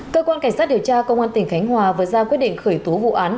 cơ quan cảnh sát điều tra công an tỉnh khánh hòa vừa ra quyết định khởi tố vụ án